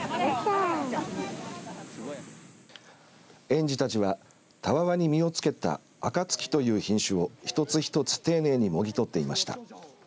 園児たちは、たわわに実をつけたあかつきという品種を１つ１つ丁寧にもぎ取っていました。